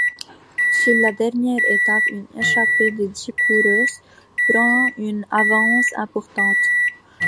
Sur la dernière étape, une échappée de dix coureuses prend une avance importante.